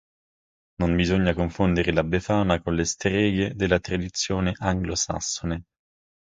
Non bisogna confondere la Befana con le streghe della tradizione anglosassone.